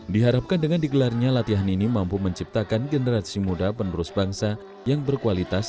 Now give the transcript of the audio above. diharapkan dengan digelarnya latihan ini mampu menciptakan generasi muda penerus bangsa yang berkualitas